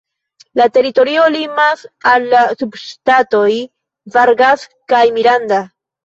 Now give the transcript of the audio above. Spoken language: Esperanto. La teritorio limas al la subŝtatoj "Vargas" kaj "Miranda".